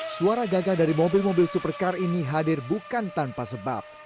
suara gagah dari mobil mobil supercar ini hadir bukan tanpa sebab